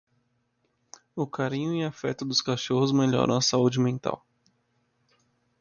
O carinho e afeto dos cachorros melhoram a saúde mental.